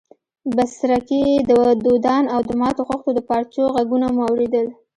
بڅرکي، دودان او د ماتو خښتو د پارچو ږغونه مو اورېدل.